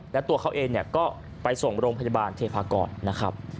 แล้วตัวเขาเองก็ไปส่งโรงพยาบาลเทพากรนะครับ